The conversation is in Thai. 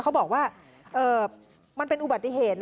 เขาบอกว่ามันเป็นอุบัติเหตุ